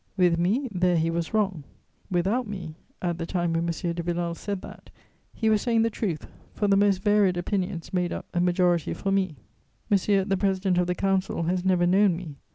With me, there he was wrong; without me, at the time when M. de Villèle said that, he was saying the truth, for the most varied opinions made up a majority for me. M. the President of the Council has never known me.